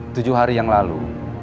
tujuh hari yang lalu